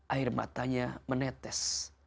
air matanya menetes